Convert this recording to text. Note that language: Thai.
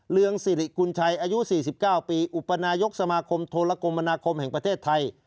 เรืองสิริกุญชัยอายุ๔๙ปีอุปนายกสมาคมโทรกรมมนาคมแห่งประเทศไทย